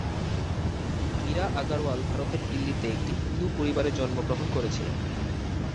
মীরা আগরওয়াল ভারতের দিল্লিতে একটি হিন্দু পরিবারে জন্মগ্রহণ করেছিলেন।